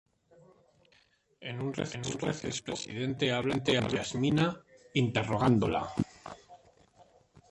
En un receso, el presidente habla con Yasmina, interrogándola